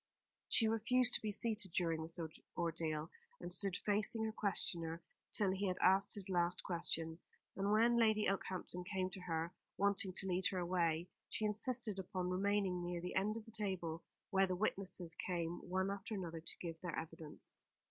She refused to be seated during this ordeal, and stood facing her questioner till he had asked his last question; and when Lady Okehampton came to her, wanting to lead her away, she insisted upon remaining near the end of the table, where the witnesses came one after another to give their evidence.